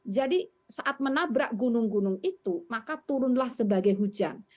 jadi saat menabrak gunung gunung itu maka turunlah sebagai hujan